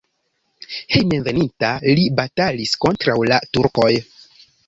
Hejmenveninta li batalis kontraŭ la turkoj.